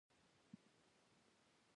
شل کاله نړیوالې مرستې لکه سیلاب ور روانې وې.